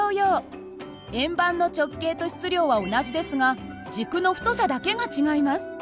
円盤の直径と質量は同じですが軸の太さだけが違います。